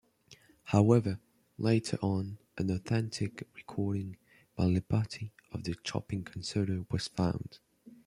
However, later on, an authentic recording by Lipatti of the Chopin Concerto was found.